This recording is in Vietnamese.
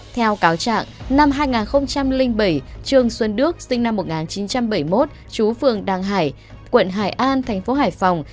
theo cáo trạng năm hai nghìn bảy trương xuân đức sinh năm một nghìn chín trăm bảy mươi một chú phường đăng hải quận hải an tp hải phòng